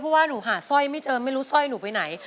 เพราะว่าหนูหาสร้อยไม่เจอไม่รู้สร้อยหนูไปไหน